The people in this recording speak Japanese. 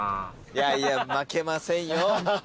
いやいや負けませんよ。